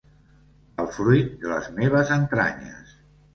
El fruit de les meves entranyes.